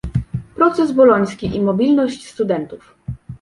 Proces boloński i mobilność studentów